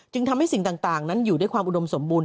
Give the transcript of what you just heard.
ทำให้สิ่งต่างนั้นอยู่ด้วยความอุดมสมบูรณ